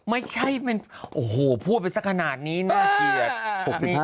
ไม่ใช่มันโอ้โหพูดไปสักขนาดนี้น่าเกลียด